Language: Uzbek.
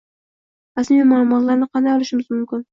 rasmiy ma’lumotlarni qanday olishimiz mumkin?